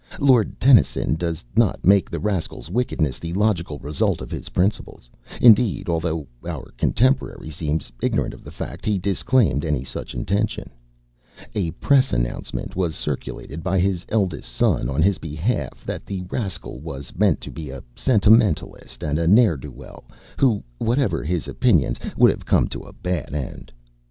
Lord Tennyson does not make the rascal's wickedness the logical result of his principles; indeed, although our contemporary seems ignorant of the fact, he disclaimed any such intention, A press announcement was circulated by his eldest son, on his behalf, that the rascal was meant to be a sentimentalist and ne'er do well, who, whatever his opinions, would have come to a bad end.